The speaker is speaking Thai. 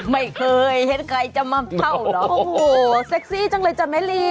ไม่เคยเห็นใครจะม่ำเท่าน้องโอ้โหเซ็กซี่จังเลยจำไหมลิง